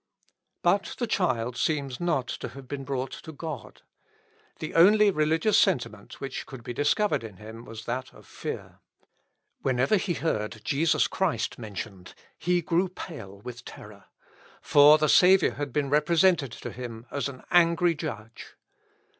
But the child seems not to have been brought to God. The only religious sentiment which could be discovered in him was that of fear. Whenever he heard Jesus Christ mentioned he grew pale with terror; for the Saviour had been represented to him as an angry Judge.